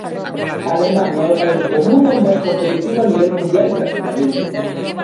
Alemaña é o país do mundo máis competitivo a nivel mundial practicamente.